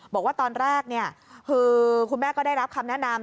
บอกว่าตอนแรกคือคุณแม่ก็ได้รับคำแนะนำ